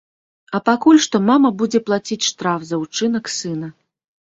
А пакуль што мама будзе плаціць штраф за ўчынак сына.